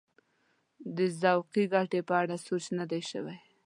د ذوقي ګټې په اړه سوچ نه دی شوی.